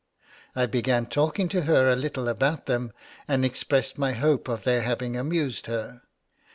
'I began talking to her a little about them, and expressed my hope of their having amused her.